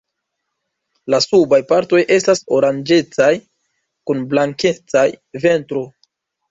La subaj partoj estas oranĝecaj kun blankeca ventro.